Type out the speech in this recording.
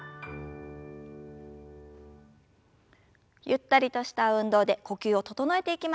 ゆったりとした運動で呼吸を整えていきましょう。